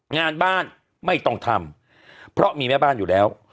งานบ้านไม่ต้องทำเพราะมีแม่บ้านอยู่แล้ว